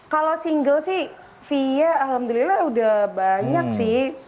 kalau single sih fia alhamdulillah udah banyak sih